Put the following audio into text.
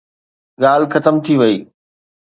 ڳالهه ختم ٿي وئي.